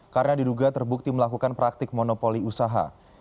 karena diduga terbukti melakukan praktik monopoli usaha